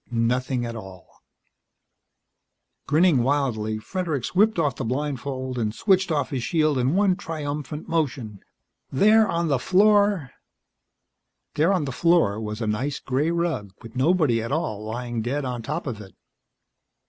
Nothing at all. Grinning wildly, Fredericks whipped off the blindfold and switched off his shield in one triumphant motion. There, on the floor There, on the floor, was a nice gray rug with nobody at all lying dead on top of it.